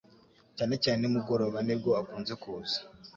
cyane cyane nimugoroba nibwo akunze kuza